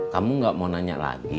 kamu tidak mau tanya lagi